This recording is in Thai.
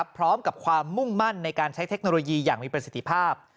พร้อมกับความมุ่งมั่นในการใช้เทคโนโลยีอย่างมีประสิทธิภาพ